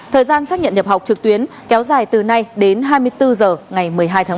thời gian xác nhận nhập học trực tuyến kéo dài từ nay đến hai mươi bốn h ngày một mươi hai tháng một mươi